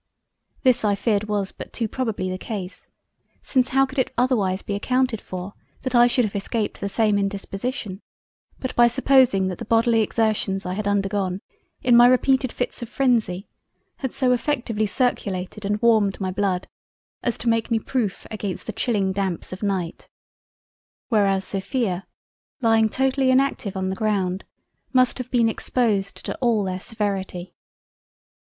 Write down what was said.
This I feared was but too probably the case; since how could it be otherwise accounted for that I should have escaped the same indisposition, but by supposing that the bodily Exertions I had undergone in my repeated fits of frenzy had so effectually circulated and warmed my Blood as to make me proof against the chilling Damps of Night, whereas, Sophia lying totally inactive on the ground must have been exposed to all their severity.